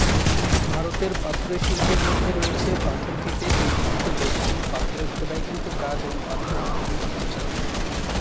ভারতের পাথুরে শিল্পের মধ্যে রয়েছে পাথর কেটে তৈরিকৃত বস্তু, পাথরে খোদাইকৃত কাজ এবং পাথরের উপর অঙ্কিত চিত্র।